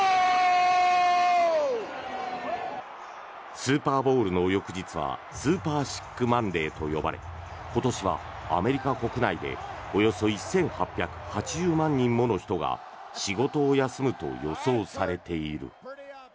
スーパーボウルの翌日はスーパーシックマンデーと呼ばれ今年はアメリカ国内でおよそ１８８０万人もの人が仕事を休むと予想されている。